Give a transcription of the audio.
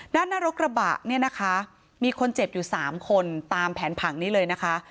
ด้านหน้ารกระบะเนี่ยนะคะมีคนเจ็บอยู่๓คนตามแผนผังนี้เลยนะคะ